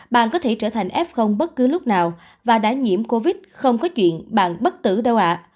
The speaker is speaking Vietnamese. bạn có thể trở thành f bất cứ lúc nào và đã nhiễm covid không có chuyện bạn bất tử đâu ạ